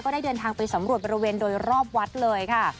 ได้เดินทางไปสำรวจบริเวณโดยรอบวัดเลยค่ะ